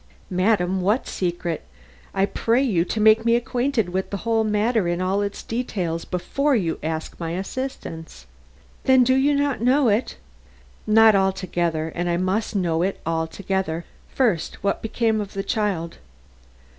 "Madam, what secret? I pray you to make me acquainted with the whole matter in all its details before you ask my assistance." "Then you do not know it?" "Not altogether, and I must know it altogether. First, what has become of the child?"